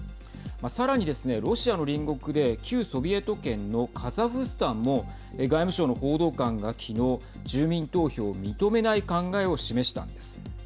さらにですね、ロシアの隣国で旧ソビエト圏のカザフスタンも外務省の報道官が昨日住民投票を認めない考えを示したんです。